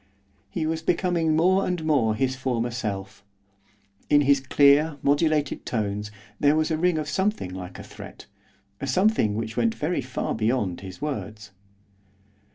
He was becoming more and more his former self. In his clear, modulated tones there was a ring of something like a threat, a something which went very far beyond his words.